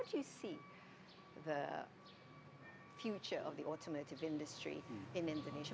masa depan industri otomotif di indonesia